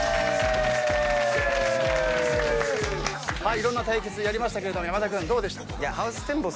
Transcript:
いろんな対決やりましたけれども山田君どうでしたか？